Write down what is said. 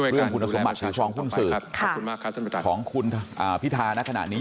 เรื่องคุณสมบัติของคุณสื่อของคุณพี่ทานะขนาดนี้